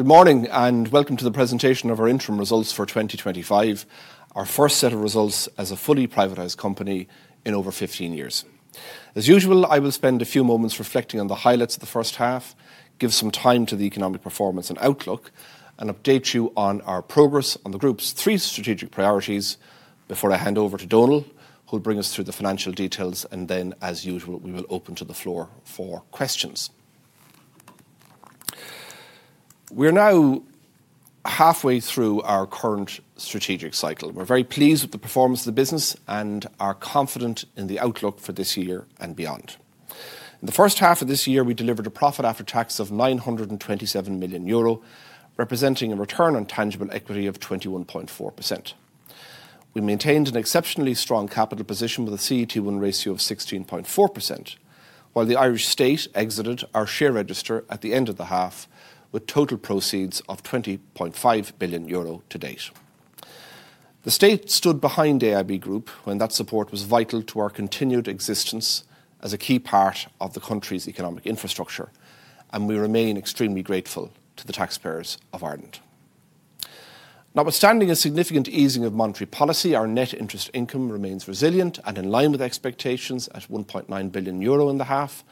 Good morning and welcome to the presentation of our interim results for 2025, our first set of results as a fully privatized company in over 15 years. As usual, I will spend a few moments reflecting on the highlights of the first half, give some time to the economic performance and outlook, and update you on our progress on the Group's three strategic priorities before I hand over to Donal, who will bring us through the financial details. Then, as usual, we will open to the floor for questions. We're now halfway through our current strategic cycle. We're very pleased with the performance of the business and are confident in the outlook for this year and beyond. In the first half of this year, we delivered a profit after tax of 927 million euro, representing a return on tangible equity of 21.4%. We maintained an exceptionally strong capital position with a CET1 ratio of 16.4%, while the Irish State exited our share register at the end of the half with total proceeds of 20.5 billion euro. To date, the State stood behind AIB Group when that support was vital to our continued existence as a key part of the country's economic infrastructure. We remain extremely grateful to the taxpayers of Ireland. Notwithstanding a significant easing of monetary policy, our net interest income remains resilient and in line with expectations at 1.9 billion euro in the half.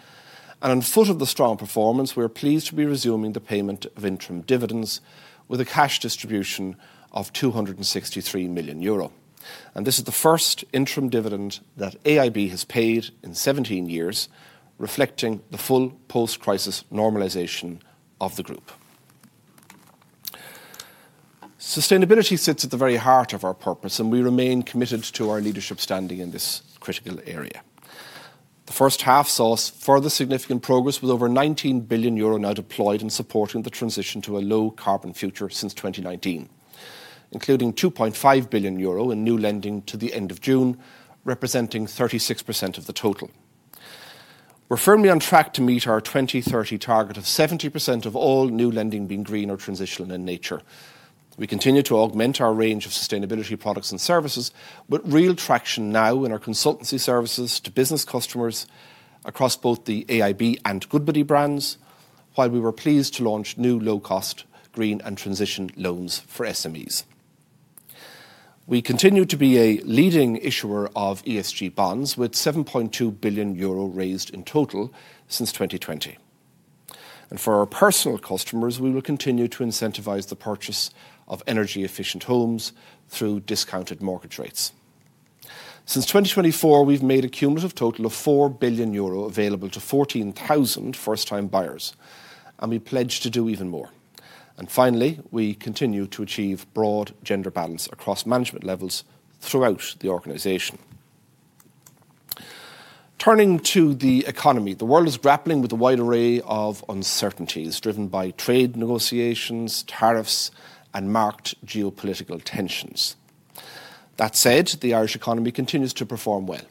On foot of the strong performance, we are pleased to be resuming the payment of interim dividends with a cash distribution of 263 million euro. This is the first interim dividend that AIB has paid in 17 years, reflecting the full post-crisis normalization of the Group. Sustainability sits at the very heart of our purpose and we remain committed to our leadership standing in this critical area. The first half saw further significant progress with over 19 billion euro now deployed in supporting the transition to a low carbon future since 2019, including 2.5 billion euro in new lending to the end of June, representing 36% of the total. We're firmly on track to meet our 2030 target of 70% of all new lending being green or transitional in nature. We continue to augment our range of sustainability products and services, with real traction now in our consultancy services to business customers across both the AIB and Goodbody brands. While we were pleased to launch new low-cost green and transition loans for SMEs, we continue to be a leading issuer of ESG bonds with 7.2 billion euro raised in total since 2020. For our personal customers, we will continue to incentivize the purchase of energy-efficient homes through discounted mortgage rates. Since 2024, we've made a cumulative total of 4 billion euro available to 14,000 first-time buyers and we pledge to do even more. Finally, we continue to achieve broad gender balance across management levels throughout the organization. Turning to the economy, the world is grappling with a wide array of uncertainties driven by trade negotiations, tariffs, and marked geopolitical tensions. That said, the Irish economy continues to perform well.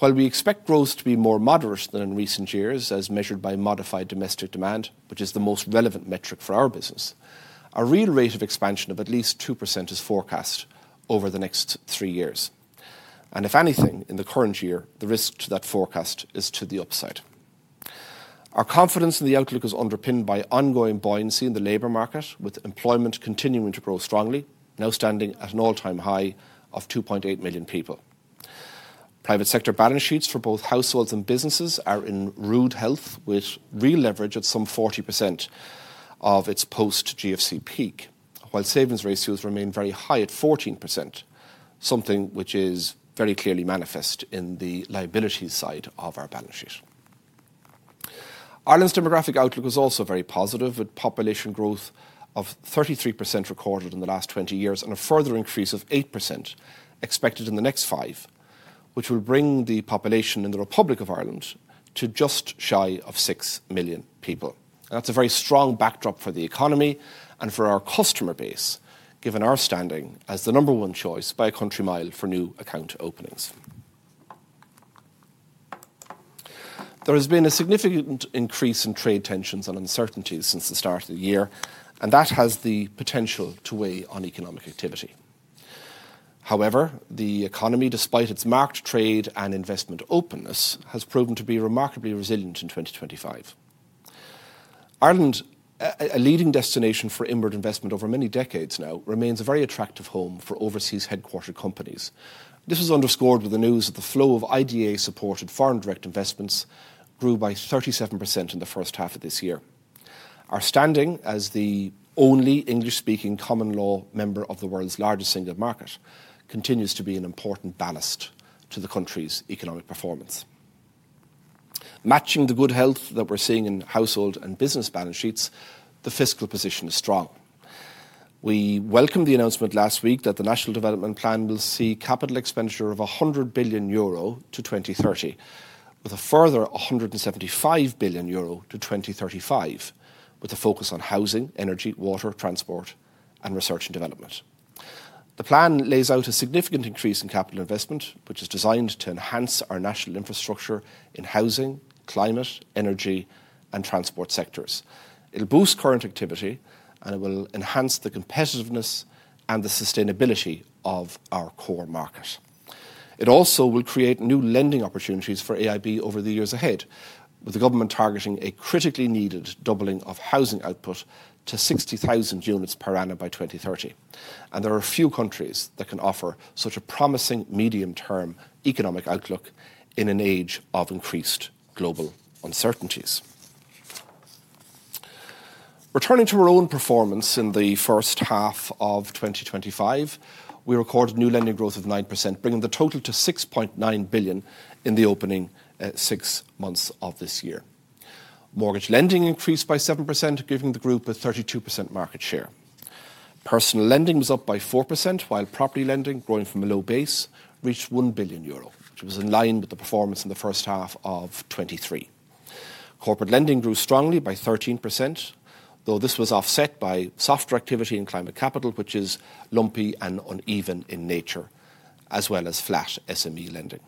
We expect growth to be more moderate than in recent years as measured by modified domestic demand, which is the most relevant metric for our business. A real rate of expansion of at least 2% is forecast over the next three years and if anything in the current year. The risk to that forecast is to the upside. Our confidence in the outlook is underpinned by ongoing buoyancy in the labor market, with employment continuing to grow strongly, now standing at an all-time high of 2.8 million people. Private sector balance sheets for both households and businesses are in rude health, with real leverage at some 40% of its post-GFC peak, while savings ratios remain very high at 14%, something which is very clearly manifest in the liabilities side of our balance sheet. Ireland's demographic outlook is also very positive, with population growth of 33% recorded in the last 20 years and a further increase of 8% expected in the next five, which will bring the population in the Republic of Ireland to just shy of 6 million people. That's a very strong backdrop for the economy and for our customer base given our standing as the number one choice by a country mile for new account openings. There has been a significant increase in trade tensions and uncertainties since the start of the year and that has the potential to weigh on economic activity. However, the economy, despite its marked trade and investment openness, has proven to be remarkably resilient in 2025. Ireland, a leading destination for inward investment over many decades, now remains a very attractive home for overseas-headquartered companies. This is underscored with the news that the flow of IDA supported foreign direct investments grew by 37% in the first half of this year. Our standing as the only English speaking common law member of the world's largest single market continues to be an important ballast to the country's economic performance, matching the good health that we're seeing in household and business balance sheets. The fiscal position is strong. We welcomed the announcement last week that the National Development Plan will see capital expenditure of 100 billion euro to 2030 with a further 175 billion euro to 2035 with a focus on housing, energy, water, transport, and research and development. The plan lays out a significant increase in capital investment which is designed to enhance our national infrastructure in housing, climate, energy, and transport sectors. It will boost current activity and it will enhance the competitiveness and the sustainability of our core market. It also will create new lending opportunities for AIB Group plc over the years ahead, with the government targeting a critically needed doubling of housing output to 60,000 units per annum by 2030. There are few countries that can offer such a promising medium term economic outlook in an age of increased global uncertainties. Returning to our own performance in the first half of 2025, we recorded new lending growth of 9%, bringing the total to 6.9 billion in the opening six months of this year. Mortgage lending increased by 7%, giving the group a 32% market share. Personal lending was up by 4% while property lending, growing from a low base, reached 1 billion euro which was in line with the performance in 1H23. Corporate lending grew strongly by 13% though this was offset by softer activity in climate capital lending which is lumpy and uneven in nature, as well as flat SME lending.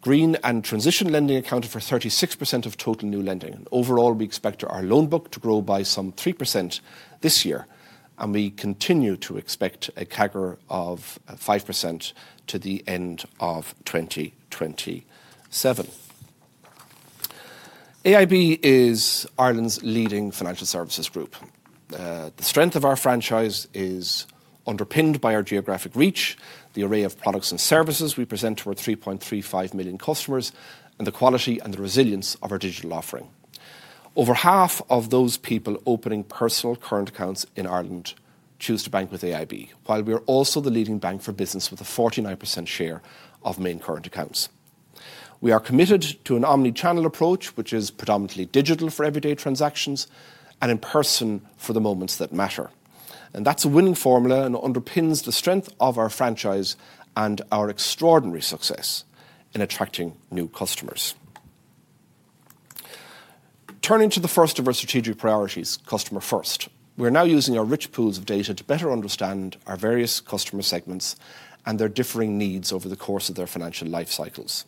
Green and transition lending accounted for 36% of total new lending. Overall, we expect our loan book to grow by some 3% this year and we continue to expect a CAGR of 5% to the end of 2027. AIB Group plc is Ireland's leading financial services group. The strength of our franchise is underpinned by our geographic reach, the array of products and services we present to our 3.35 million customers, and the quality and the resilience of our digital offering. Over half of those people opening personal current accounts in Ireland choose to bank with AIB. We are also the leading bank for business with a 49% share of main current accounts. We are committed to an omnichannel approach which is predominantly digital for everyday transactions and in person for the moments that matter. That's a winning formula and underpins the strength of our franchise and our extraordinary success in attracting new customers. Turning to the first of our strategic priorities, customer first, we're now using our rich pools of data to better understand our various customer segments and their differing needs over the course of their financial life cycles.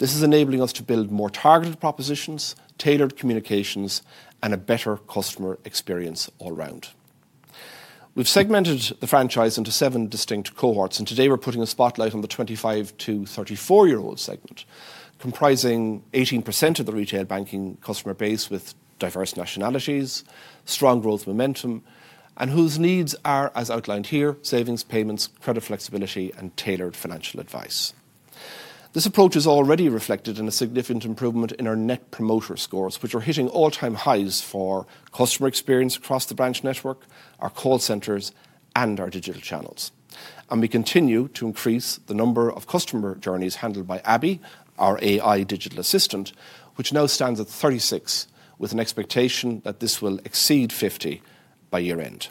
This is enabling us to build more targeted propositions, tailored communications, and a better customer experience all round. We've segmented the franchise into seven distinct cohorts and today we're putting a spotlight on the 25 to 34 year old segment comprising 18% of the retail banking customer base. With diverse nationalities, strong growth momentum, and whose needs are as outlined here: savings, payments, credit flexibility, and tailored financial advice. This approach is already reflected in a significant improvement in our Net Promoter Scores, which are hitting all-time highs for customer experience across the branch network, our call centers, and our digital channels. We continue to increase the number of customer journeys handled by Abby, our AI digital assistant, which now stands at 36 with an expectation that this will exceed 50 by year end.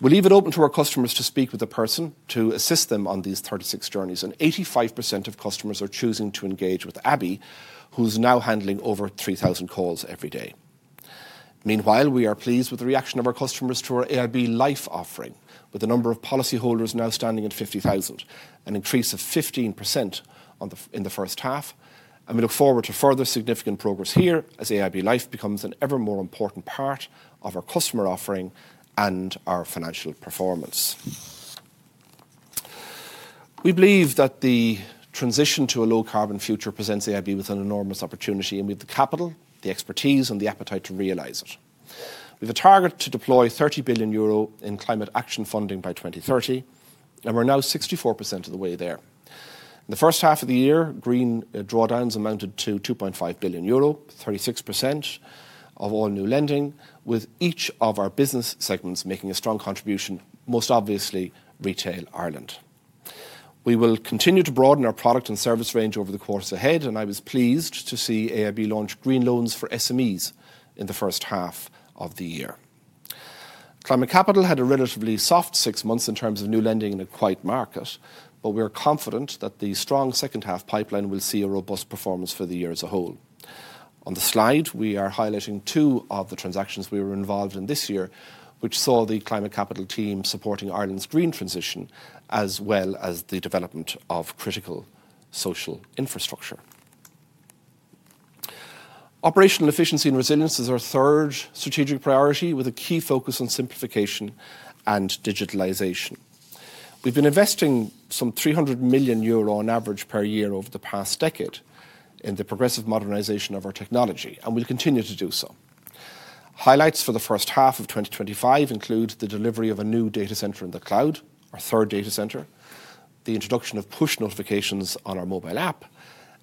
We leave it open to our customers to speak with a person to assist them on these 36 journeys, and 85% of customers are choosing to engage with Abby, who is now handling over 3,000 calls every day. Meanwhile, we are pleased with the reaction of our customers to our AIB Life offering, with the number of policyholders now standing at 50,000, an increase of 15% in the first half, and we look forward to further significant progress here as AIB Life becomes an ever more important part of our customer offering and our financial performance. We believe that the transition to a low carbon future presents AIB Group plc with an enormous opportunity and we have the capital, the expertise, and the appetite to realize it. We have a target to deploy EUR 30 billion in climate action funding by 2030 and we're now 64% of the way there. In the first half of the year, green drawdowns amounted to 2.5 billion euro, 36% of all new lending, with each of our business segments making a strong contribution, most obviously retail Ireland. We will continue to broaden our product and service range over the course ahead and I was pleased to see AIB launch green loans for SMEs in the first half of the year. Climate capital had a relatively soft six months in terms of new lending in a quiet market, but we are confident that the strong second half pipeline will see a robust performance for the year as a whole. On the slide we are highlighting two of the transactions we were involved in this year, which saw the climate capital team supporting Ireland's green transition as well as the development of critical social infrastructure. Operational efficiency and resilience is our third strategic priority with a key focus on simplification and digitalization. We've been investing some 300 million euro on average per year over the past decade in the progressive modernization of our technology and we'll continue to do so. Highlights for the first half of 2025 include the delivery of a new data center in the cloud, our third data center, the introduction of push notifications on our mobile app,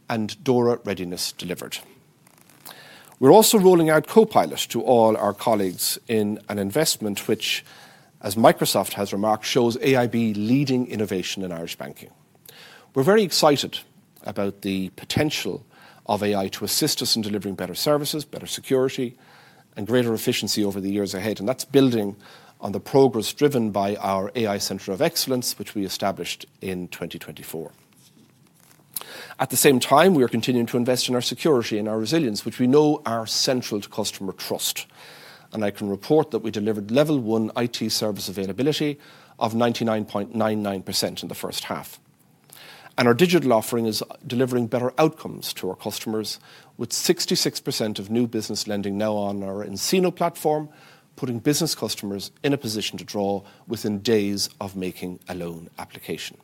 and DORA readiness delivered. We're also rolling out Copilot to all our colleagues in an investment which, as Microsoft has remarked, shows AIB leading innovation in Irish banking. We're very excited about the potential of AI to assist us in delivering better services, better security, and greater efficiency over the years ahead. That's building on the progress driven by our AI Center of Excellence, which we established in 2024. At the same time, we are continuing to invest in our security and our resilience, which we know are central to customer trust. I can report that we delivered level one IT service availability of 99.99% in the first half and our digital offering is delivering better outcomes to our customers with 66% of new business lending now on our nCino platform, putting business customers in a position to draw within days of making a loan application.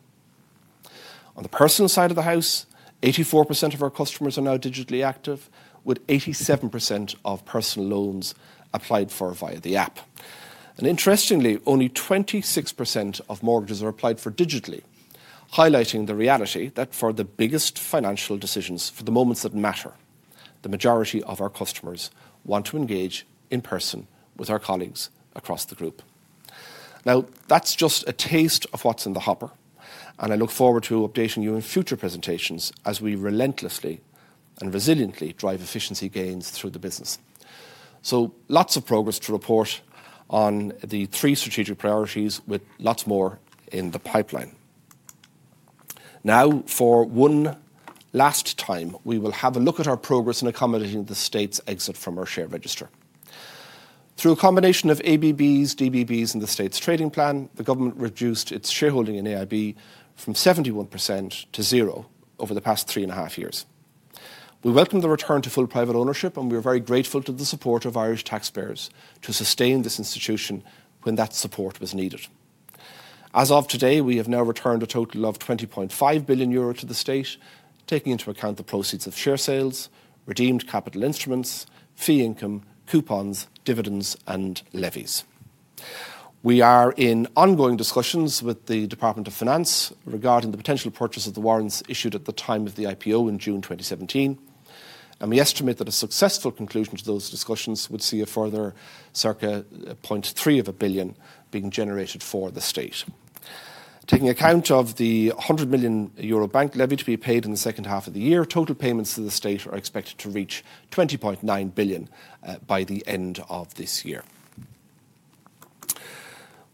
On the personal side of the house, 84% of our customers are now digitally active with 87% of personal loans applied for via the app. Interestingly, only 26% of mortgages are applied for digitally, highlighting the reality that for the biggest financial decisions, for the moments that matter, the majority of our customers want to engage in person with our colleagues across the group. Now that's just a taste of what's in the hopper, and I look forward to updating you in future presentations as we relentlessly and resiliently drive efficiency gains through the business. Lots of progress to report on the three strategic priorities with lots more in the pipeline. Now, for one last time, we will have a look at our progress in accommodating the State's exit from our share register. Through a combination of ABBs, DBBs, and the State's trading plan, the government reduced its shareholding in AIB Group plc from 71% to zero over the past three and a half years. We welcome the return to full private ownership, and we are very grateful to the support of Irish taxpayers to sustain this institution when that support was needed. As of today, we have now returned a total of 20.5 billion euro to the State, taking into account the proceeds of share sales, redeemed capital instruments, fee income, coupons, dividends, and levies. We are in ongoing discussions with the Department of Finance regarding the potential purchase of the IPO warrants issued at the time of the IPO in June 2017, and we estimate that a successful conclusion to those discussions would see a further circa 0.3 billion being generated for the State, taking account of the 100 million euro bank levy to be paid in the second half of the year. Total payments to the State are expected to reach 20.9 billion by the end of this year.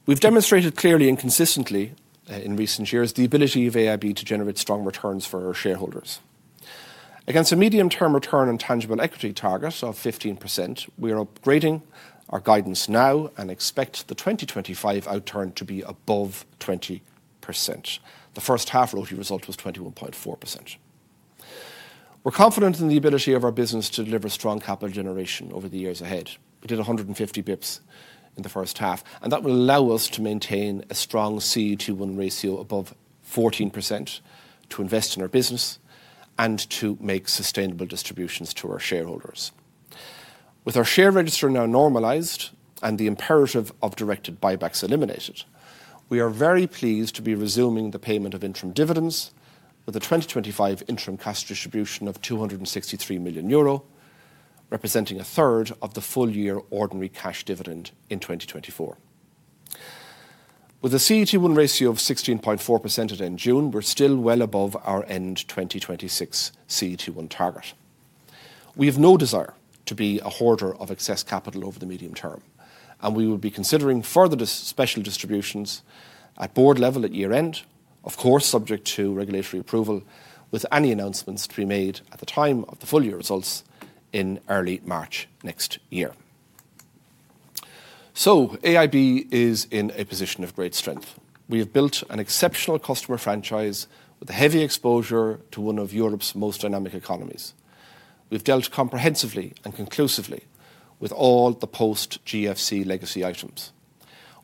We've demonstrated clearly and consistently in recent years the ability of AIB Group plc to generate strong returns for our shareholders against a medium-term return on tangible equity target of 15%. We are upgrading our guidance now and expect the 2025 outturn to be above 20%. The first half ROTI result was 21.4%. We're confident in the ability of our business to deliver strong capital generation over the years ahead. We did 150 bps in the first half, and that will allow us to maintain a strong CET1 ratio above 14% to invest in our business and to make sustainable distributions to our shareholders. With our share register now normalized and the imperative of directed buybacks eliminated, we are very pleased to be resuming the payment of interim dividends with a 2025 interim cash distribution of 263 million euro representing a third of the full-year ordinary cash dividend in 2024. With a CET1 ratio of 16.4% at end June, we're still well above our end 2026 CET1 target. We have no desire to be a hoarder of excess capital over the medium term, and we will be considering further special distributions at board level at year end, of course subject to regulatory approval, with any announcements to be made at the time of the full year results in early March next year. AIB is in a position of great strength. We have built an exceptional customer franchise with a heavy exposure to one of Europe's most dynamic economies. We've dealt comprehensively and conclusively with all the post-GFC legacy items.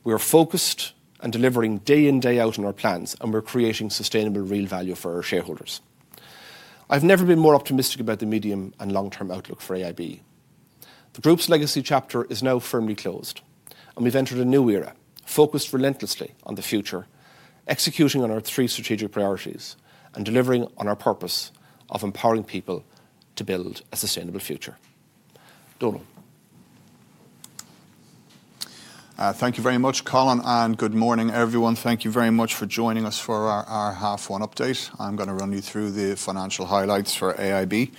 We are focused on delivering day in, day out in our plans, and we're creating sustainable real value for our shareholders. I've never been more optimistic about the medium and long term outlook for AIB. The group's legacy chapter is now firmly closed, and we've entered a new era focused relentlessly on the future, executing on our three strategic priorities and delivering on our purpose of empowering people to build a sustainable future. Donal. Thank you very much, Colin and good morning everyone. Thank you very much for joining us for our Half Year One update. I'm going to run you through the financial highlights for AIB Group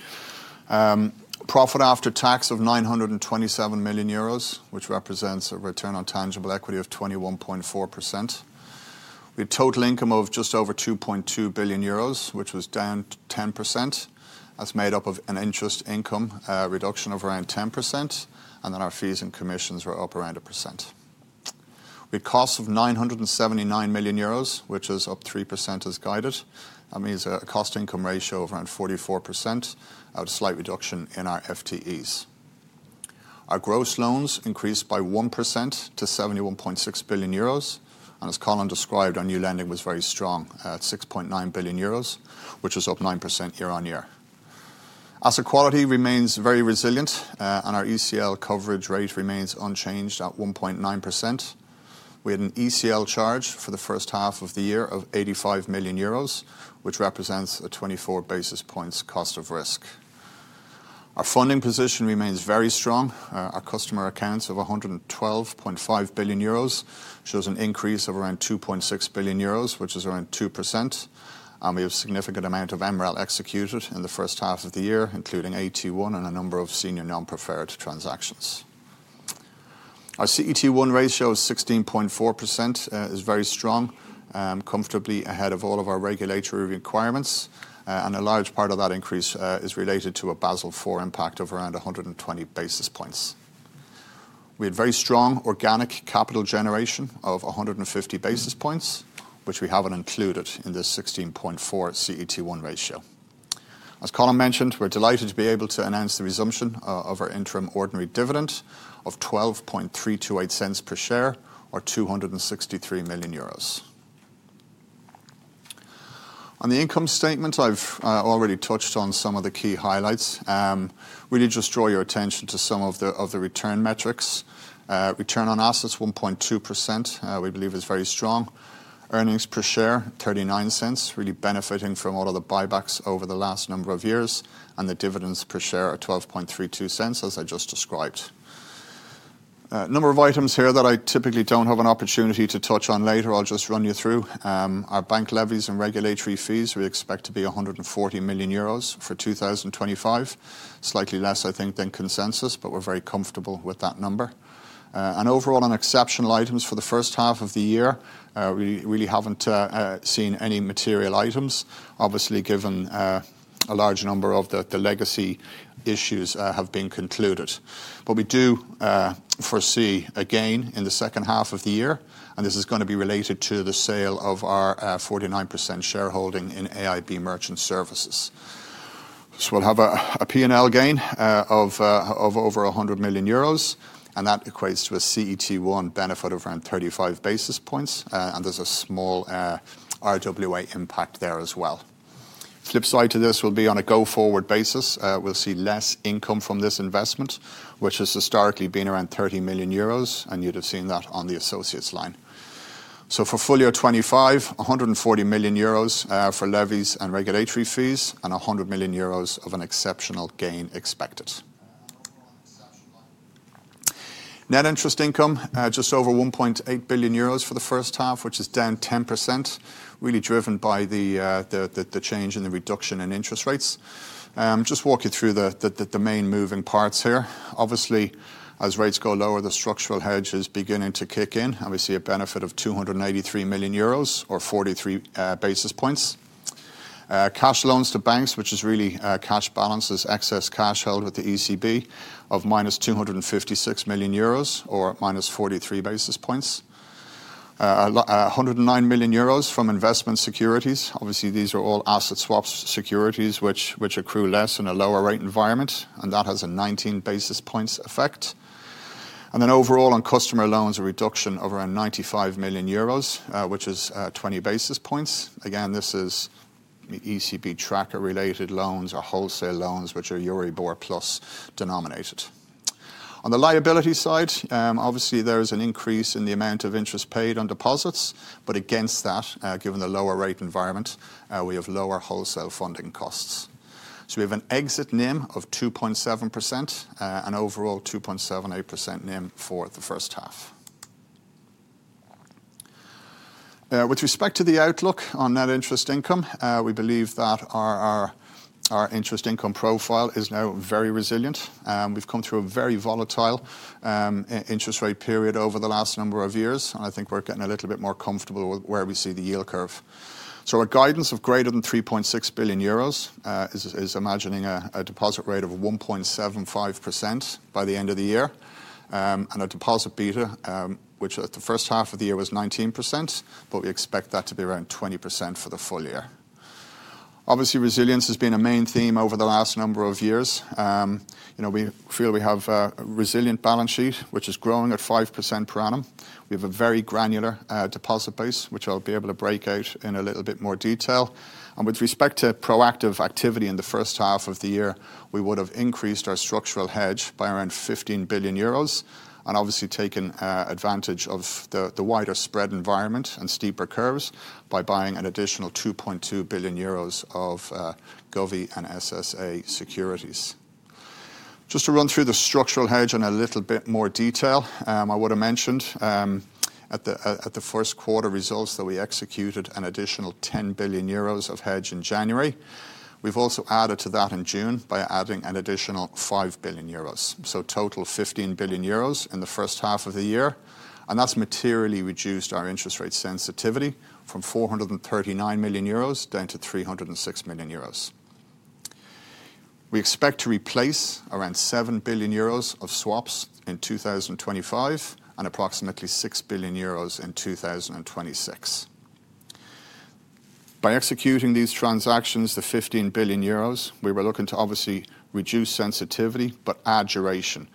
plc. Profit after tax of 927 million euros, which represents a return on tangible equity of 21.4% with total income of just over 2.2 billion euros, which was down 10%. That's made up of a net interest income reduction of around 10% and then our fees and commissions were up around 1% with costs of 979 million euros, which is up 3% as guided. That means a cost income ratio of around 44%, a slight reduction in our FTEs. Our gross loans increased by 1% to 71.6 billion euros. As Colin described, our new lending was very strong at 6.9 billion euros, which was up 9% year on year. Asset quality remains very resilient and our ECL coverage rate remains unchanged at 1.9%. We had an ECL charge for the first half of the year of 85 million euros, which represents a 24 basis points cost of risk. Our funding position remains very strong. Our customer accounts of 112.5 billion euros show an increase of around 2.6 billion euros, which is around 2%. We have a significant amount of MREL executed in the first half of the year, including AT1 and a number of senior non-preferred transactions. Our CET1 ratio is 16.4%, which is very strong, comfortably ahead of all of our regulatory requirements. A large part of that increase is related to a Basel IV impact of around 120 basis points. We had very strong organic capital generation of 150 basis points, which we haven't included in this 16.4% CET1 ratio. As Colin mentioned, we're delighted to be able to announce the resumption of our interim ordinary dividend of 0.12328 per share or 263 million euros on the income statement. I've already touched on some of the key highlights. Really just draw your attention to some of the return metrics. Return on assets 1.2% we believe is very strong. Earnings per share 0.39, really benefiting from all of the buybacks over the last number of years. The dividends per share are 0.1232. As I just described, a number of items here that I typically don't have an opportunity to touch on later. I'll just run you through our bank levies and regulatory fees. We expect to be 140 million euros for 2025. Slightly less, I think, than consensus, but we're very comfortable with that number. Overall on exceptional items for the first half of the year, we really haven't seen any material items, obviously given a large number of the legacy issues have been concluded. We do foresee a gain in the second half of the year and this is going to be related to the sale of our 49% shareholding in AIB Merchant Services. We'll have a P&L gain of over 100 million euros and that equates to a CET1 benefit of around 35 basis points and there's a small RWA impact there as well. The flip side to this will be on a go forward basis we'll see less income from this investment, which has historically been around 30 million euros. You'd have seen that on the Associates line. For full year 2025, 140 million euros for levies and regulatory fees and 100 million euros of an exceptional gain, expected net interest income just over 1.8 billion euros for the first half, which is down 10%, really driven by the change in the reduction in interest rates. I'll walk you through the main moving parts here. Obviously, as rates go lower, the structural hedge is beginning to kick in and we see a benefit of 293 million euros or 43 basis points. Cash loans to banks, which is really cash balances, excess cash held with the ECB of -256 million euros or -43 basis points, 109 million euros from investment securities. These are all asset swaps, securities which accrue less in a lower rate environment. That has a 19 basis points effect. Overall on customer loans, a reduction of around 95 million euros, which is 20 basis points. This is ECB tracker related loans or wholesale loans which are Euribor plus denominated. On the liability side, there is an increase in the amount of interest paid on deposits. Against that, given the lower rate environment, we have lower wholesale funding costs. We have an exit NIM of 2.7%, an overall 2.78% NIM for the first half. With respect to the outlook on net interest income, we believe that our interest income profile is now very resilient. We've come through a very volatile interest rate period over the last number of years and I think we're getting a little bit more comfortable with where we see the yield curve. A guidance of greater than 3.6 billion euros is imagining a deposit rate of 1.75% by the end of the year and a deposit beta which at the first half of the year was 19%. We expect that to be around 20% for the full year. Obviously, resilience has been a main theme over the last number of years. You know, we feel we have a resilient balance sheet which is growing at 5% per annum. We have a very granular deposit base which I'll be able to break out in a little bit more detail. With respect to proactive activity in the first half of the year, we would have increased our structural hedge by around 15 billion euros. Obviously, we have taken advantage of the wider spread environment and steeper curves by buying an additional 2.2 billion euros of government and SSA securities. Just to run through the structural hedge in a little bit more detail, I would have mentioned at the first quarter results that we executed an additional 10 billion euros of hedge in January. We've also added to that in June by adding an additional 5 billion euros. Total 15 billion euros in the first half of the year. That's materially reduced our interest rate sensitivity from 439 million euros down to 306 million euros. We expect to replace around 7 billion euros of swaps in 2025 and approximately 6 billion euros in 2026. By executing these transactions, the 15 billion euros we were looking to obviously reduce sensitivity but add duration.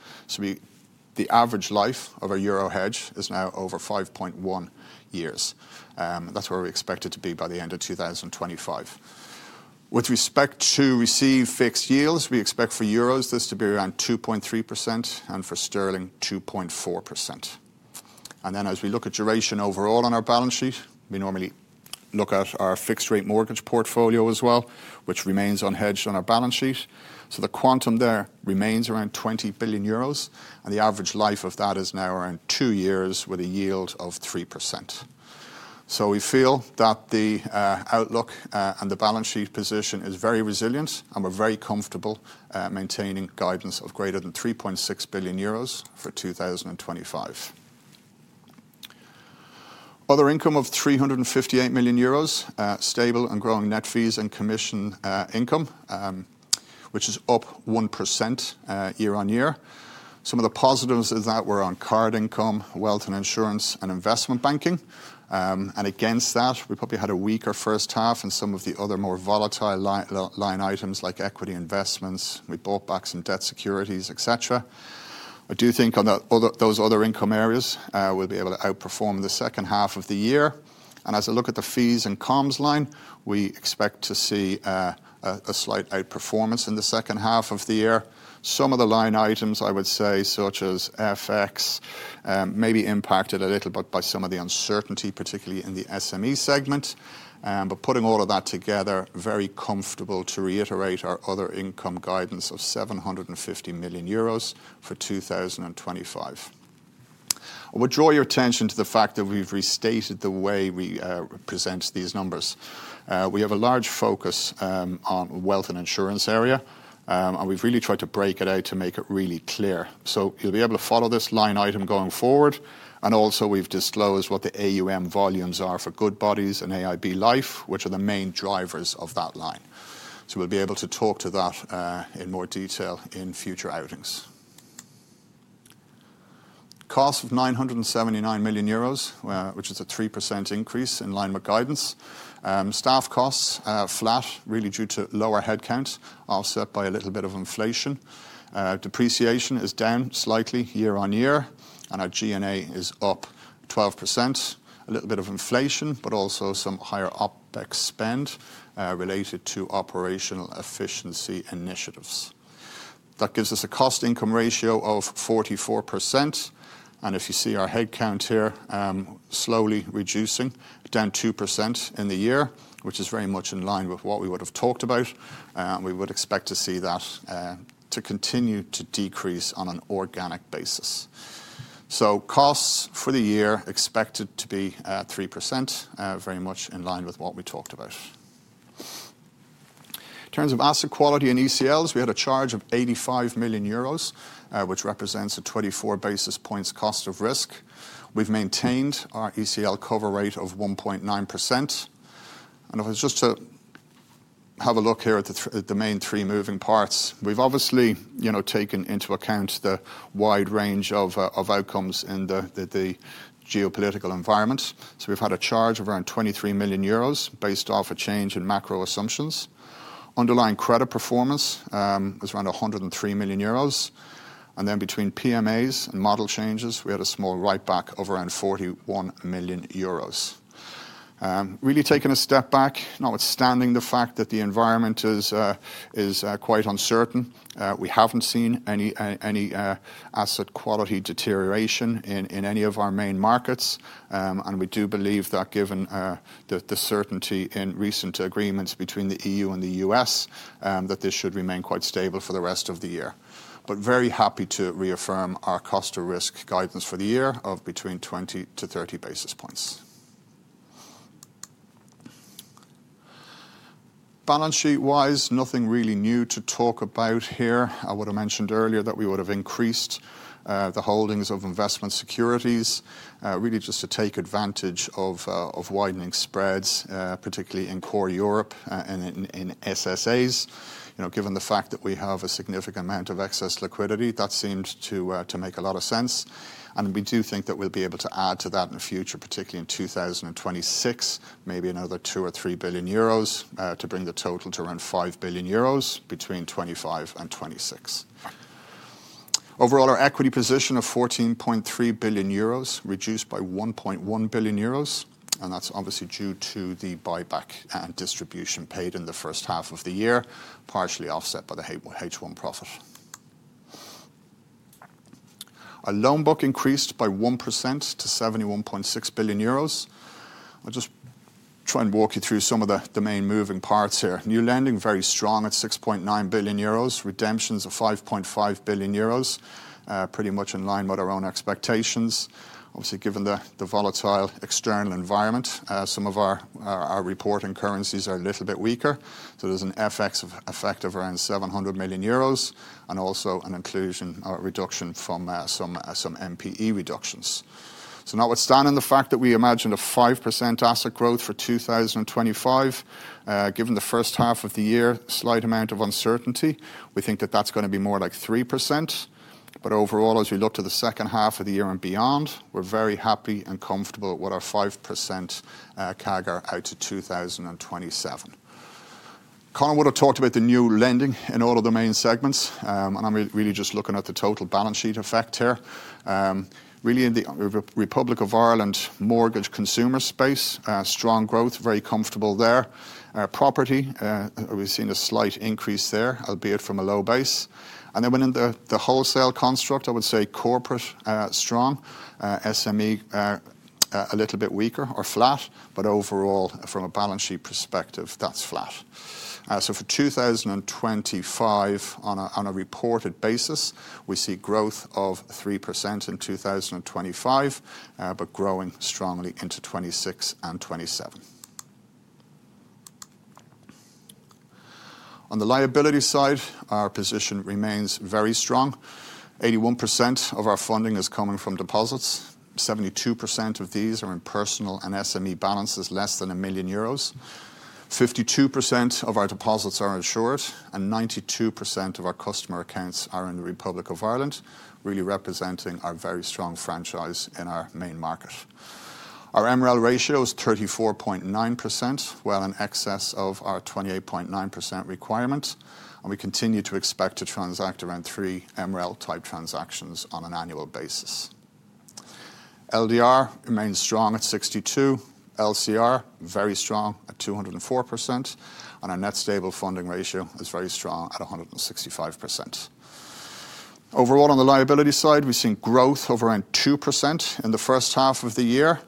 The average life of a euro hedge is now over 5.1 years. That's where we expect it to be by the end of 2025. With respect to received fixed yields, we expect for euros this to be around 2.3% and for sterling, 2.4%. As we look at duration overall on our balance sheet, we normally look at our fixed rate mortgage portfolio as well, which remains unhedged on our balance sheet. The quantum there remains around 20 billion euros. The average life of that is now around two years with a yield of 3%. We feel that the outlook and the balance sheet position is very resilient and we're very comfortable maintaining guidance greater than 3.6 billion euros for 2025. Other Income of 358 million euros, stable and growing net fees and commission income, which is up 1% year on year. Some of the positives of that were on card income, wealth and insurance, and investment banking. Against that, we probably had a weaker first half in some of the other more volatile items like equity investments. We bought back some debt, securities, etc. I do think on those other income areas, we'll be able to outperform in the second half of the year. As I look at the fees and commissions line, we expect to see a slight outperformance in the second half of the year. Some of the line items, I would say, such as FX, may be impacted a little bit by some of the uncertainty, particularly in the SME segment. Putting all of that together, very comfortable. To reiterate our other income guidance of 750 million euros for 2025, I would draw your attention to the fact that we've restated the way we present these numbers. We have a large focus on wealth and insurance area, and we've really tried to break it out to make it really clear. You'll be able to follow this line item going forward. Also, we've disclosed what the AUM volumes are for Goodbody and AIB Life, which are the main drivers of that line. We'll be able to talk to that in more detail in future outings. Cost of 979 million euros, which is a 3% increase in line with guidance. Staff costs flat, really due to lower headcount offset by a little bit of inflation. Depreciation is down slightly year on year, and our G&A is up 12%. A little bit of inflation, but also some higher OpEx spend related to operational efficiency initiatives. That gives us a cost income ratio of 44%. If you see our headcount here, slowly reducing, down 2% in the year, which is very much in line with what we would have talked about. We would expect to see that continue to decrease on an organic basis. Costs for the year expected to be 3%, very much in line with what we talked about. In terms of asset quality and ECLs, we had a charge of 85 million euros, which represents a 24 bps cost of risk. We've maintained our ECL cover rate of 1.9%. If I was just to have a look here at the main three moving parts, we've obviously taken into account the wide range of outcomes in the geopolitical environment. We've had a charge of around 23 million euros based off a change in macro assumptions. Underlying credit performance was around 103 million euros. Between PMAs and model changes, we had a small write-back of around 4.41 million euros. Really taking a step back, notwithstanding the fact that the environment is quite uncertain, we haven't seen any asset quality deterioration in any of our main markets. We do believe that given the certainty in recent agreements between the EU and the U.S., this should remain quite stable for the rest of the year. Very happy to reaffirm our cost to risk guidance for the year of between 20 to 30 basis points, balance sheet wise. Nothing really new to talk about here. I would have mentioned earlier that we would have increased the holdings of investment securities just to take advantage of widening spreads, particularly in core Europe and in SSAs. Given the fact that we have a significant amount of excess liquidity, that seemed to make a lot of sense and we do think that we'll be able to add to that in the future, particularly in 2026, maybe another 2 or 3 billion euros to bring the total to around 5 billion euros between 2025 and 2026. Overall, our equity position of 14.3 billion euros reduced by 1.1 billion euros. That's obviously due to the buyback and distribution paid in the first half of the year, partially offset by the H1 profit. Our loan book increased by 1% to 71.6 billion euros. I'll just try and walk you through some of the main moving parts here. New lending very strong at 6.9 billion euros. Redemptions of 5.5 billion euros, pretty much in line with our own expectations. Obviously, given the volatile external environment, some of our reporting currencies are a little bit weaker. There's an FX effect of around 700 million euros and also an inclusion reduction from some NPE reductions. Notwithstanding the fact that we imagine a 5% asset growth for 2025, given the first half of the year, slight amount of uncertainty, we think that that's going to be more like 3%. Overall, as we look to the second half of the year and beyond, we're very happy and comfortable with our 5% CAGR out to 2027. Colin would have talked about the new lending in all of the main segments and I'm really just looking at the total balance sheet effect here in the Republic of Ireland. Mortgage consumer space, strong growth, very comfortable there. Property, we've seen a slight increase there, albeit from a low base. In the wholesale construct, I would say corporate strong, SME a little bit weaker or flat. Overall, from a balance sheet perspective, that's flat. For 2025, on a reported basis, we see growth of 3% in 2025, but growing strongly into 2026 and 2027. On the liability side, our position remains very strong. 81% of our funding is coming from deposits. 72% of these are in personal and SME balances less than 1 million euros, 52% of our deposits are insured, and 92% of our customer accounts are in the Republic of Ireland, really representing our very strong franchise in our main market. Our MREL ratio is 34.9%, well in excess of our 28.9% requirement. We continue to expect to transact around three MREL-type transactions on an annual basis. LDR remains strong at 62, LCR very strong at 204%, and our net stable funding ratio is very strong at 162. Overall, on the liability side, we've seen growth of around 2% in the first half of the year,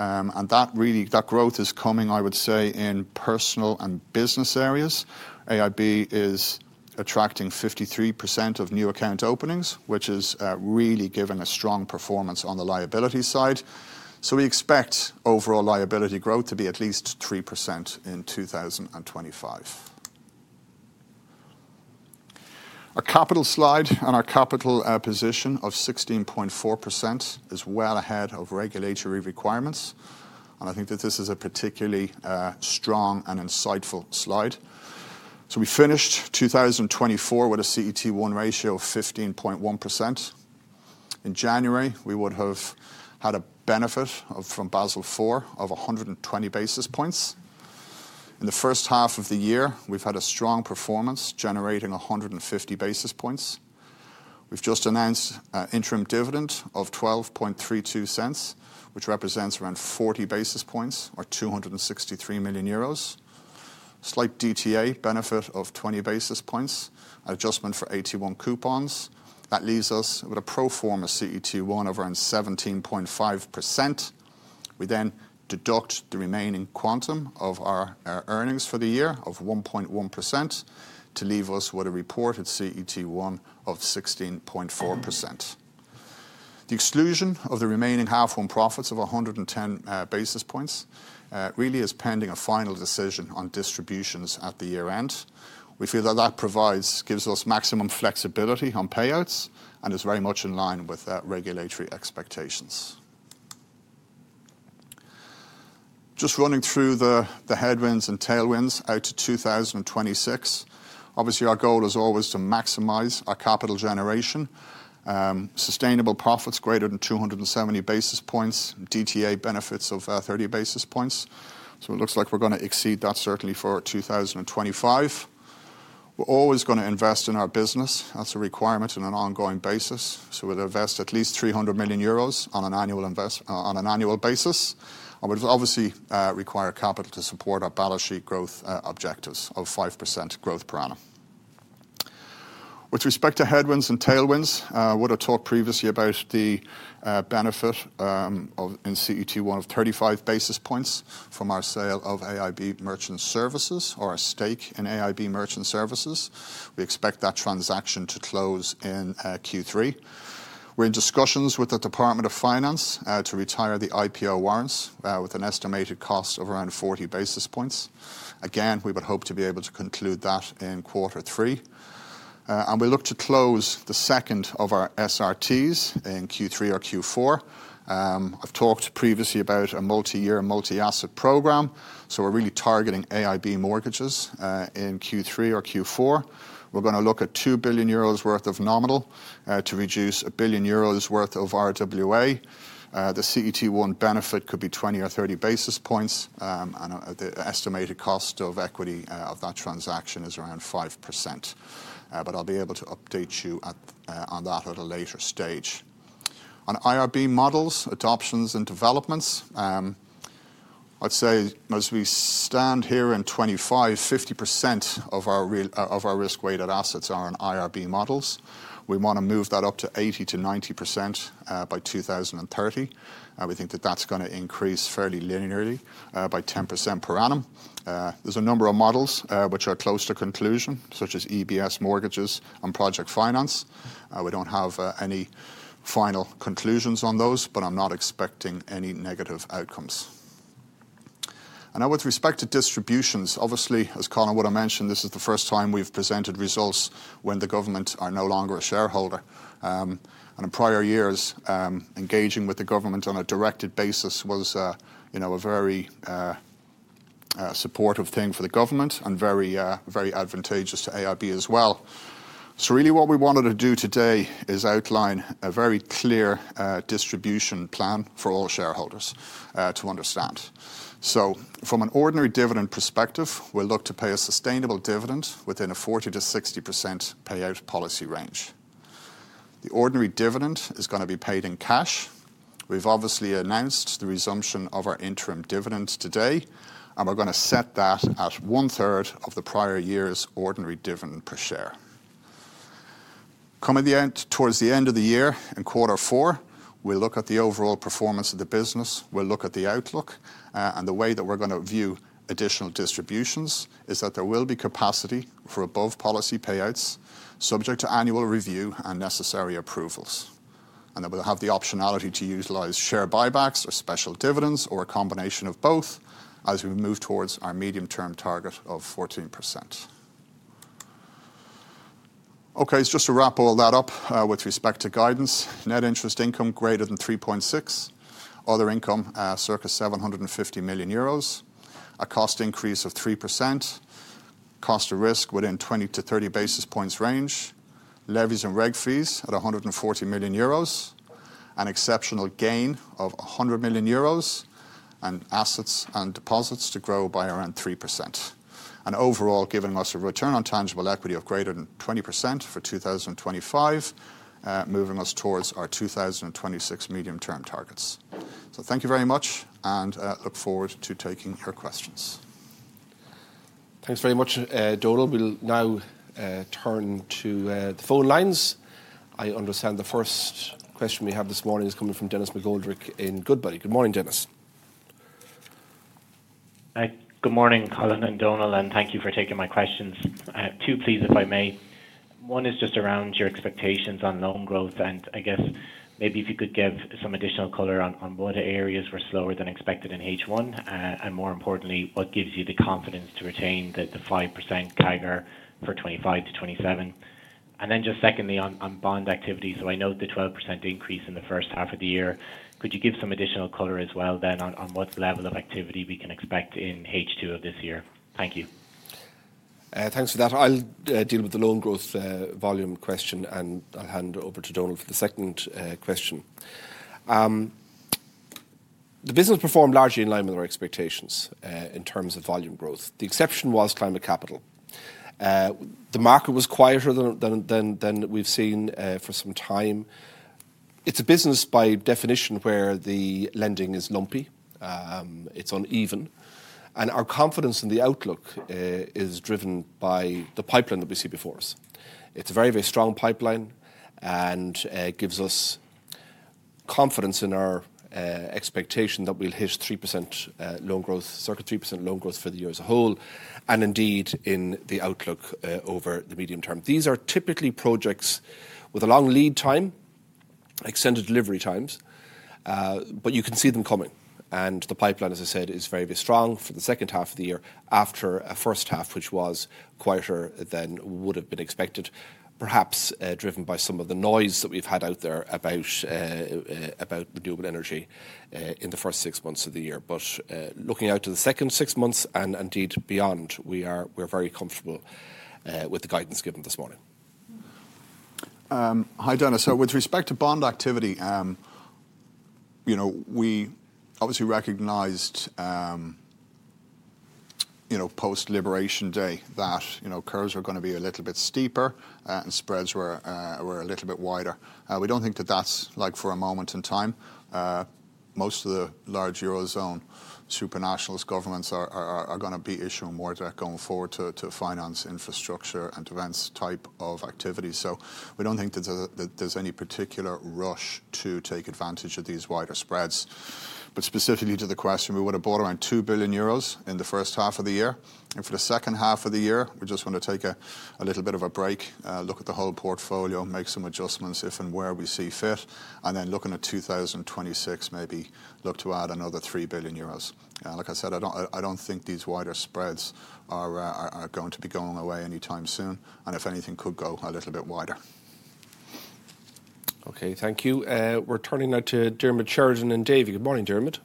and that growth is coming, I would say, in personal and business areas. AIB is attracting 53% of new account openings, which is really giving a strong performance on the liability side. We expect overall liability growth to be at least 3% in 2025. Our capital slide and our capital position of 16.4% is well ahead of regulatory requirements. I think that this is a particularly strong and insightful slide. We finished 2024 with a CET1 ratio of 15.1%. In January, we would have had a benefit from Basel IV of 120 basis points. In the first half of the year, we've had a strong performance generating 150 basis points. We've just announced an interim dividend of 0.1232, which represents around 40 basis points or 263 million euros. Slight DTA benefit of 20 basis points, adjustment for AT1 coupons. That leaves us with a pro forma CET1 of around 17.5%. We then deduct the remaining quantum of our earnings for the year of 1.1% to leave us with a reported CET1 of 16.4%. The exclusion of the remaining half-year profits of 110 basis points really is pending a final decision on distributions at the year end. We feel that provides us maximum flexibility on payouts and is very much in line with regulatory expectations. Just running through the headwinds and tailwinds out to 2026, obviously our goal is always to maximize our capital generation, sustainable profits greater than 270 basis points, DTA benefits of 30 basis points. It looks like we're going to exceed that certainly for 2025. We're always going to invest in our business. That's a requirement on an ongoing basis. We'll invest at least 300 million euros on an annual investment on an annual basis. We'll obviously require capital to support our balance sheet growth objectives of 5% growth per annum with respect to headwinds and tailwinds. I talked previously about the benefit in CET1 of 35 basis points from our sale of a stake in AIB Merchant Services. We expect that transaction to close in Q3. We're in discussions with the Department of Finance to retire the IPO warrants with an estimated cost of around 40 basis points. We would hope to be able to conclude that in quarter three. We look to close the second of our SRTs in Q3 or Q4. I’ve talked previously about a multi-year, multi-asset program. We're really targeting AIB mortgages. In Q3 or Q4, we're going to look at 2 billion euros worth of nominal to reduce 1 billion euros worth of RWA. The CET1 benefit could be 20 or 30 basis points and the estimated cost of equity of that transaction is around 5%. I'll be able to update you on that at a later stage on IRB models, adoptions and developments. I'd say as we stand here in 2025, 50% of our risk weighted assets are in IRB models. We want to move that up to 80 to 90% by 2030 and we think that that's going to increase fairly linearly by 10% per annum. There's a number of models which are close to conclusion such as EBS Mortgages and Project Finance. We don't have any final conclusions on those, but I'm not expecting any negative outcomes. Now with respect to distributions, obviously, as Colin would have mentioned, this is the first time we've presented results when the government are no longer a shareholder. In prior years, engaging with the government on a directed basis was a very supportive thing for the government and very advantageous to AIB as well. What we wanted to do today is outline a very clear distribution plan for all shareholders to understand. From an ordinary dividend perspective, we'll look to pay a sustainable dividend within a 40 to 60% payout policy range. The ordinary dividend is going to be paid in cash. We've obviously announced the resumption of our interim dividend today and we're going to set that at one third of the prior year's ordinary dividend per share coming towards the end of the year in quarter four. We look at the overall performance of the business, we'll look at the outlook, and the way that we're going to view additional distributions is that there will be capacity for above policy payouts subject to annual review and necessary approvals, and that we'll have the optionality to utilize share buybacks or special dividends or a combination of both as we move towards our medium term target of 14%. Okay, just to wrap all that up with respect to guidance, net interest income greater than 3.6 billion, other income circa 750 million euros, a cost increase of 3%, cost of risk within 20 to 30 bps, range levies and reg fees at 140 million euros, an exceptional gain of 100 million euros, and assets and deposits to grow by around 3%, and overall giving us a return on tangible equity of greater than 20% for 2024, moving us towards our 2026 medium term targets. Thank you very much and look forward to taking your questions. Thanks very much, Donal. We'll now turn to the phone lines. I understand the first question we have this morning is coming from Denis McGoldrick in Goodbody. Good morning, Denis. Good morning Colin and Donal and thank you for taking my questions. I have two please, if I may. One is just around your expectations on loan growth and I guess maybe if you could give some additional color on what areas were slower than expected in H1, and more importantly, what gives you the confidence to retain the 5% CAGR for 2025 to 2027. Secondly, on bond activity, I note the 12% increase in the first half of the year. Could you give some additional color as well on what level of activity we can expect in H2 of this year? Thank you. Thanks for that. I'll deal with the loan growth volume question and I'll hand over to Donal for the second question. The business performed largely in line with our expectations in terms of volume growth. The exception was climate capital. The market was quieter than we've seen for some time. It's a business by definition where the lending is lumpy, it's uneven. Our confidence in the outlook is driven by the pipeline that we see before us. It's a very, very strong pipeline and gives us confidence in our expectation that we'll hit 3% loan growth, circa 3% loan growth for the year as a whole and indeed in the outlook over the medium term. These are typically projects with a long lead time, extended delivery times, but you can see them coming. The pipeline, as I said, is very strong for the second half of the year after a first half which was quieter than would have been expected, perhaps driven by some of the noise that we've had out there about renewable energy in the first six months of the year. Looking out to the second six months and indeed beyond, we're very comfortable with the guidance given this morning. Hi Denis. With respect to bond activity, we obviously recognized post-Liberation Day that curves are going to be a little bit steeper and spreads were a little bit wider. We don't think that that's for a moment in time. Most of the large Eurozone supranational governments are going to be issuing more direct going forward to finance infrastructure and events type of activity. We don't think that there's any particular rush to take advantage of these wider spreads. Specifically to the question, we would have bought around 2 billion euros in the first half of the year, and for the second half of the year, we just want to take a little bit of a break, look at the whole portfolio, make some adjustments if and where we see fit, and then looking at 2026, maybe look to add another 3 billion euros. Like I said, I don't think these wider spreads are going to be going away anytime soon. If anything, they could go a little bit wider. Okay, thank you. We're turning now to Diarmaid Sheridan with Davy. Good morning, Diarmaid.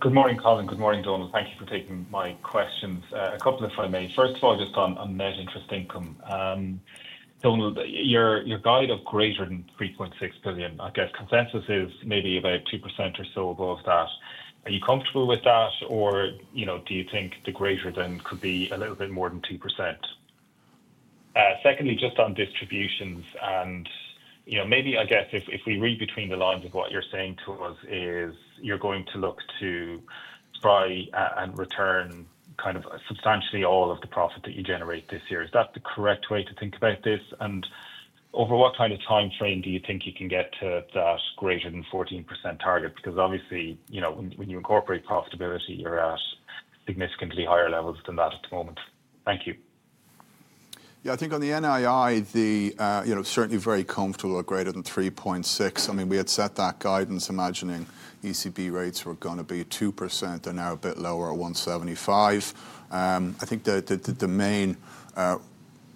Good morning, Colin. Good morning, Donal. Thank you for taking my questions. A couple, if I may. First of all, just on net interest income, Donal, your guide of greater than 3.6 billion, I guess consensus is maybe about 2% or so above that. Are you comfortable with that? Or do you think the greater than could be a little bit more than 2%? Secondly, just on distributions and maybe, I guess if we read between the lines of what you're saying to us, you're going to look to buy and return kind of substantially all of the profit that you generate this year. Is that the correct way to think about this? Over what kind of time frame do you think you can get to that greater than 14% target? Because obviously, when you incorporate profitability, you're at significantly higher levels than that at the moment. Thank you. Yeah, I think on the NII, certainly very comfortable or greater than 3.6. I mean, we had set that guidance imagining ECB rates were going to be 2% and now a bit lower at 1.75%. I think the main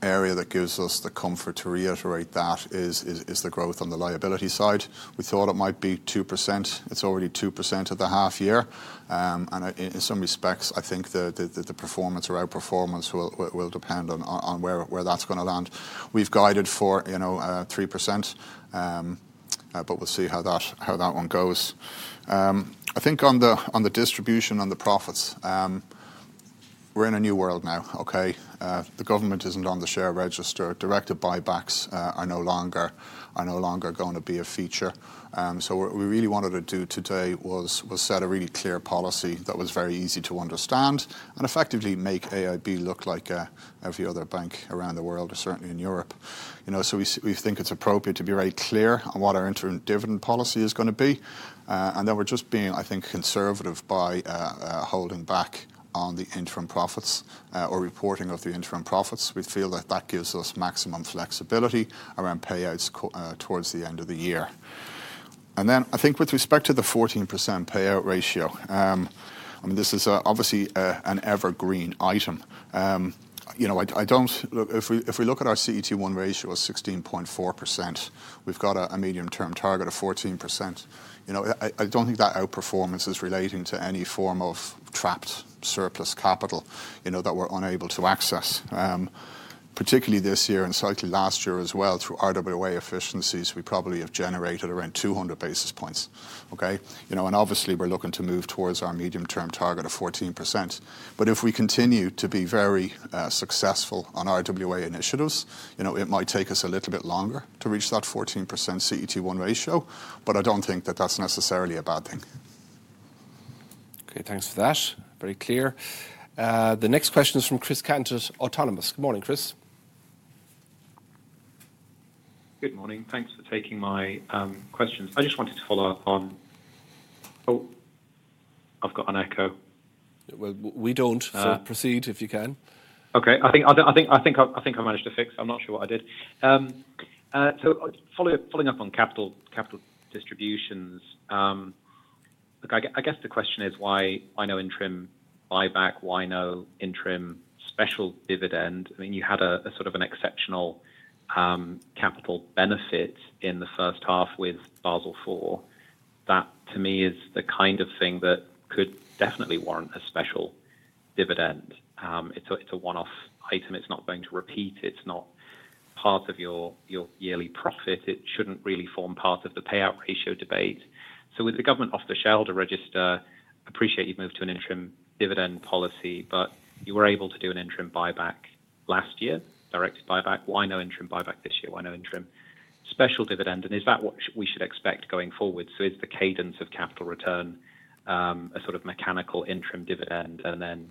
area that gives us the comfort to reiterate that is the growth on the liability side. We thought it might be 2%. It's already 2% at the half year. In some respects, I think that the performance or outperformance will depend on where that's going to land. We've guided for 3%, but we'll see how that one goes. I think on the distribution, on the profits, we're in a new world now, okay? The government isn't on the share register. Directed buybacks are no longer going to be a feature. What we really wanted to do today was set a really clear policy that was very easy to understand and effectively make AIB look like every other bank around the world or certainly in Europe. We think it's appropriate to be very clear on what our interim dividend policy is going to be. We're just being, I think, conservative by holding back on the interim profits or reporting of the interim profits. We feel that gives us maximum flexibility around payouts towards the end of the year. With respect to the 14% payout ratio, this is obviously an evergreen item. If we look at our CET1 ratio of 16.4%, we've got a medium term target of 14%. I don't think that outperformance is relating to any form of trapped surplus capital that we're unable to access, particularly this year and slightly last year as well. Through RWA efficiencies, we probably have generated around 200 basis points. Obviously, we're looking to move towards our mutual medium term target of 14%. If we continue to be very successful on RWA initiatives, it might take us a little bit longer to reach that 14% CET1 ratio. I don't think that that's necessarily a bad thing. Okay, thanks for that. Very clear. The next question is from Christopher Cant, Autonomous. Good morning, Chris. Good morning. Thanks for taking my questions. I just wanted to follow up on, oh, I've got an echo. We don't proceed if you can. Okay. I think I managed to fix. I'm not sure what I did. Following up on capital distributions, I guess the question is why. I know, interim buyback, why no interim special dividend? I mean, you had a sort of an exceptional capital benefit in the first half with Basel IV. That to me is the kind of thing that could definitely warrant a special dividend. It's a one-off item. It's not going to repeat. It's not part of your yearly profit. It shouldn't really form part of the payout ratio debate. With the government off the shareholder register, appreciate you've moved to an interim dividend policy, but you were able to do an interim buyback last year, directed buyback. Why no interim buyback this year? Why no interim special dividend? Is that what we should expect going forward? Is the cadence of capital return a sort of mechanical interim dividend and then